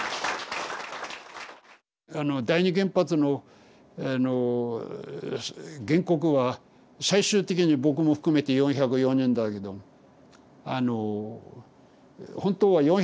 あの第二原発の原告は最終的に僕も含めて４０４人だけどあの本当は４１１人いたんです。